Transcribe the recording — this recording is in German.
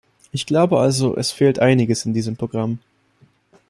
Ich glaube also, es fehlt einiges in diesem Programm.